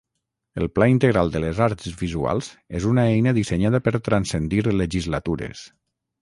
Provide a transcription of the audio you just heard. El Pla Integral de les Arts Visuals és una eina dissenyada per transcendir legislatures.